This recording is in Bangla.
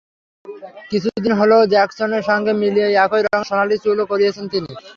কিছুদিন হলো জ্যাক্সনের সঙ্গে মিলিয়ে একই রঙের সোনালি চুলও করিয়েছেন তিনি।